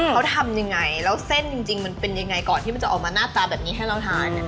เขาทำยังไงแล้วเส้นจริงมันเป็นยังไงก่อนที่มันจะออกมาหน้าตาแบบนี้ให้เราทาน